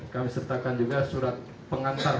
kami sertakan juga surat pengantar